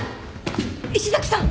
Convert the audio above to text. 石崎さん！